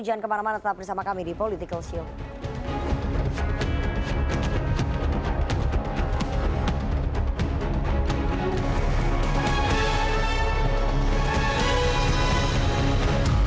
jangan kemana mana tetap bersama kami di political show